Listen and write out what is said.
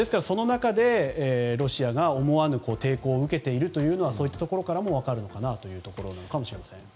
その中でロシアが思わぬ抵抗を受けているということはそういったところからも分かると思います。